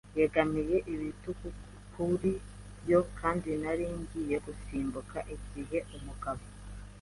yegamiye ibitugu kuri yo, kandi nari ngiye gusimbuka igihe umugabo